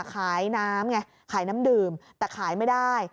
ขายน้ำไงขายน้ำดื่มแต่ขายไม่ได้